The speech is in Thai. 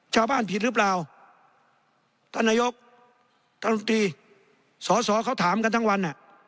ชาวบ้านผิดหรือเปล่าต้นยกตนุฏิสอสอเขาถามกันทั้งวัน